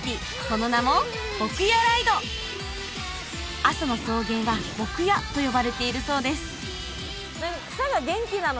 その名も牧野ライド阿蘇の草原は牧野と呼ばれているそうです